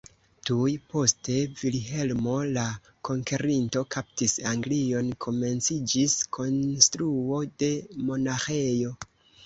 Tuj post Vilhelmo la Konkerinto kaptis Anglion komenciĝis konstruo de monaĥejo.